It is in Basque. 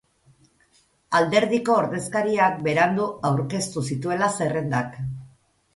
Alderdiko ordezkariak berandu aurkeztu zituela zerrendak.